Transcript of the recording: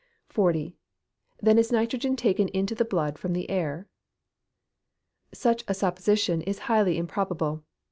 40. Then is nitrogen taken into the blood from the air? Such a supposition is highly improbable.